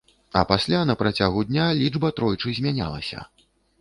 А пасля на працягу дня лічба тройчы змянялася.